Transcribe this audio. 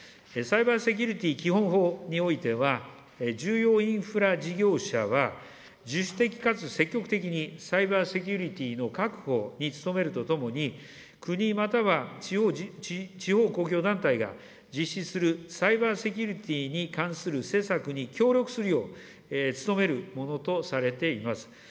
サイバー・セキュリティー基本法においては、重要インフラ事業者は、自主的かつ積極的に、サイバー・セキュリティーの確保に努めるとともに、国または地方公共団体が実施するサイバー・セキュリティーに関する施策に協力するよう努めるものとされています。